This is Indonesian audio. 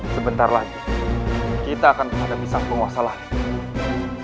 sebentar lagi kita akan terhadapi sang penguasa langit